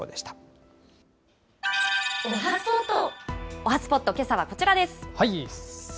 おはＳＰＯＴ、けさはこちらです。